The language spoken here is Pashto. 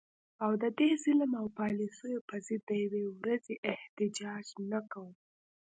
او د دې ظلم او پالیسو په ضد د یوې ورځي احتجاج نه کوو